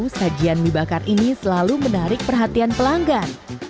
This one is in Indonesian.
sajian mie bakar ini selalu menarik perhatian pelanggan